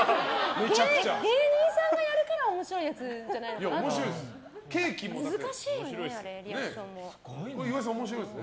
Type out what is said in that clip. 芸人さんがやるから面白いやつじゃないのかなって。